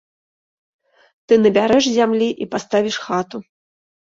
Ты набярэш зямлі і паставіш хату.